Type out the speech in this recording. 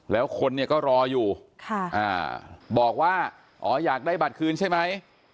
แล้วคนเนี่ยก็รออยู่บอกว่าอ๋ออยากได้บัตรคืนใช่ไหม